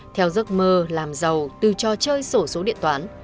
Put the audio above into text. theo giấc mơ làm giàu từ trò chơi sổ số điện toán